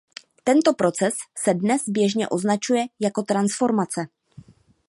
Tento proces se dnes běžně označuje jako transformace.